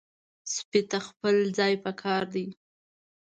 سپي ته خپل ځای پکار دی.